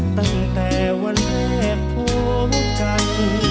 ตั้งแต่วันแรกพบกัน